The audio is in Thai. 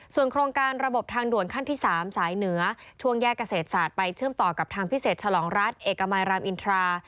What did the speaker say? ส่วนโครงการระบบทางด่วนขั้นที่๓สายเหนือช่วงแยกเกษตรศาสตร์ไปเชื่อมต่อกับทางพิเศษฉลองรัฐเอกมัยรามอินทรา